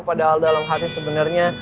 padahal dalam hati sebenarnya